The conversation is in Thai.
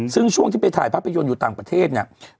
ซึ่งช่วงที่ไปถ่ายภาพยนตร์อยู่ต่างประเทศเนี่ย